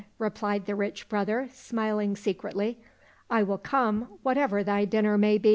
replied the rich brother, smiling secretly. " I will come whatever thy dinner may be."